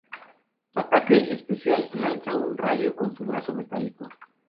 Su ataque especial lanza un rayo con su brazo metálico.